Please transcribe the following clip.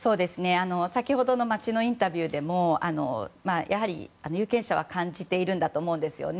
先ほどの街のインタビューでもやはり有権者は感じているんだと思うんですね。